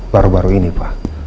baru baru ini pak